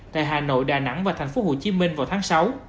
tại hà nội đà nẵng và tp hcm vào tháng sáu